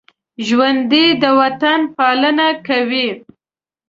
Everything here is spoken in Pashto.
ژوندي د وطن پالنه کوي